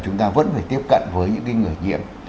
chúng ta vẫn phải tiếp cận với những người nhiễm